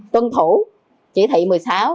tuân thủ chỉ thị một mươi sáu